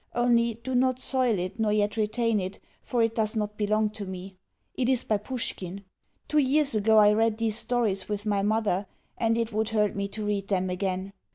Only, do not soil it, nor yet retain it, for it does not belong to me. It is by Pushkin. Two years ago I read these stories with my mother, and it would hurt me to read them again.